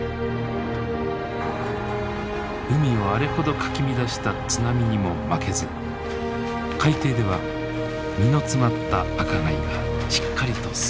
海をあれほどかき乱した津波にも負けず海底では身の詰まった赤貝がしっかりと育っていた。